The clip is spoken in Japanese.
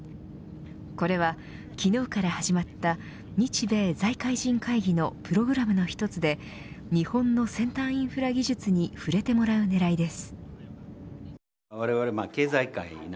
これは、昨日から始まった日米財界人会議のプログラムの一つで日本の先端インフラ技術に触れてもらう狙いです。